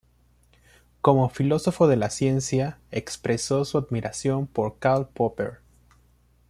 Como filósofo de la ciencia, expresó su admiración por Karl Popper.